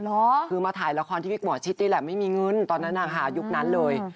อ๋อเหรอครับคือมาถ่ายละครที่พี่หมอชิตนี่แหละไม่มีเงินตอนนั้นค่ะอายุ๊ปนั้นเลย